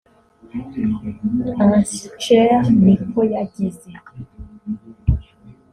Anschaire Nikoyagize